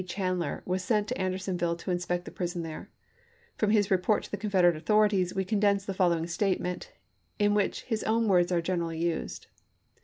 Chandler was sent to Andersonville to inspect the prison there. From his report to the Confederate authorities we condense the following statement, in Vol. VIL— 30 466 ABEAHAM LINCOLN chap. xvi. which his own words are generally used.